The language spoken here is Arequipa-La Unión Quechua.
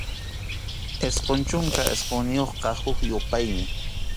Isqun chunka isqunniyuqqa huk yupaymi.